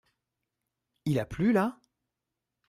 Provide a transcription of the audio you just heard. Il a plu là ?